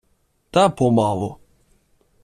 - Та помалу.